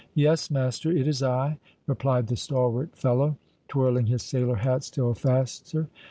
"Yes, master, it is I," replied the stalwart fellow, twirling his sailor hat still faster.